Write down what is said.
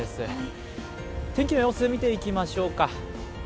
天気の様子見ていきましょうか。